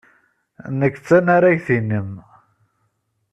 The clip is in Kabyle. Nekk d tanaragt-nnem.